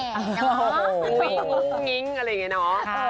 งูงี้งอะไรอย่างนี้เนอะ